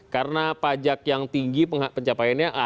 karena pajak yang tinggi pencapaiannya